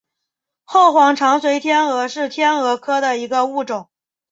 后黄长喙天蛾是天蛾科的一个物种。